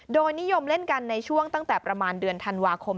โดยนิยมเล่นกันในช่วงตั้งแต่ประมาณเดือนธันวาคม